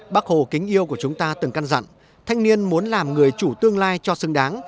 bác hồ kính yêu của chúng ta từng căn dặn thanh niên muốn làm người chủ tương lai cho xứng đáng